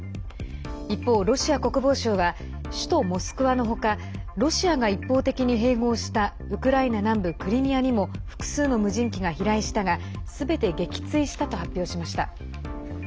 一方、ロシア国防省は首都モスクワの他ロシアが一方的に併合したウクライナ南部クリミアにも複数の無人機が飛来したがすべて撃墜したと発表しました。